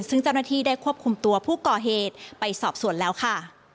ซึ่งเจ้าหน้าที่ได้ควบคุมตัวผู้ก่อเหตุไปสอบส่วนแล้วค่ะ